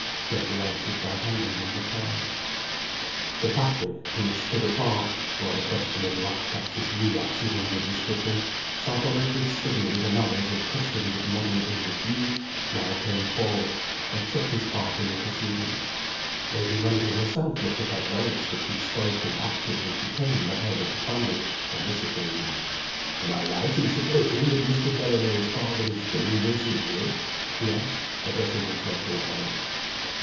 Geoffrey answered by handing him the card. Sir Patrick, who had stood apart (while the question of Ratcatcher's relapse was under discussion) sardonically studying the manners and customs of modern English youth, now came forward, and took his part in the proceedings. Lady Lundie herself must have acknowledged that he spoke and acted as became the head of the family, on t his occasion. "Am I right in supposing that Mr. Delamayn's father is dangerously ill?" he asked, addressing himself to Arnold.